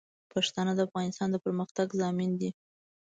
پښتانه د افغانستان د پرمختګ ضامن دي.